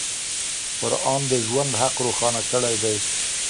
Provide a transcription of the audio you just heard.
قرآن د ژوند حق روښانه کړی دی.